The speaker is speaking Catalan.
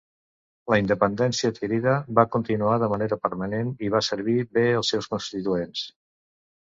La independència adquirida va continuar de manera permanent i va servir bé als seus constituents.